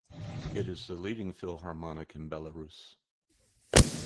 It is the leading Philharmonic in Belarus.